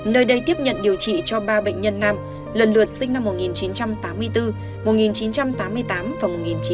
nơi đây tiếp nhận điều trị cho ba bệnh nhân nam lần lượt sinh năm một nghìn chín trăm tám mươi bốn một nghìn chín trăm tám mươi tám và một nghìn chín trăm tám mươi bốn